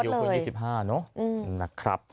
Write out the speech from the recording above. อย่างที่บอกอายุคน๒๕นะครับ